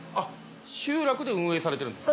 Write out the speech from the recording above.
集落で運営されてるんですか？